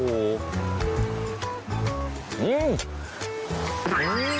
อื้อหือ